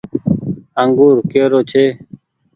انگور ڪي رو ڇي ۔